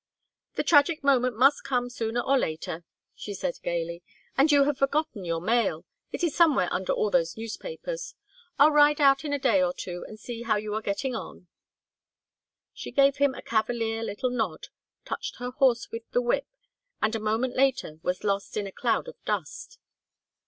"The tragic moment must come sooner or later," she said, gayly. "And you have forgotten your mail. It is somewhere under all those newspapers. I'll ride out in a day or two and see how you are getting on." She gave him a cavalier little nod, touched her horse with the whip, and a moment later was lost in a cloud of dust.